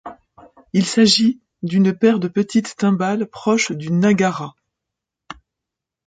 Il s'agit d'une paire de petites timbales proches du nagara.